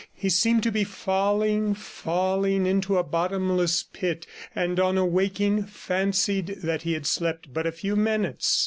He seemed to be falling, falling into a bottomless pit, and on awaking fancied that he had slept but a few minutes.